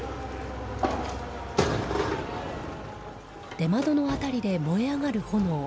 出窓の辺りで燃え上がる炎。